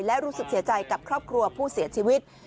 และรู้สึกเสียใจกับครอบครัวผู้เสียชีวิต